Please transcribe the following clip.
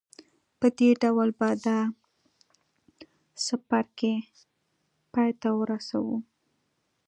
په دې ډول به دا څپرکی پای ته ورسوو